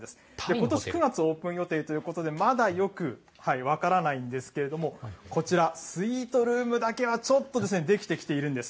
ことし９月オープン予定ということで、まだよく分からないんですけれども、こちら、スイートルームだけはちょっと出来てきているんです。